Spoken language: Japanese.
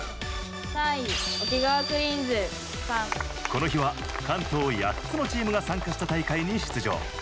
この日は関東８つのチームが参加した大会に出場。